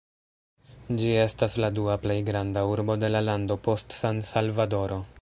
Ĝi estas la dua plej granda urbo de la lando post San-Salvadoro.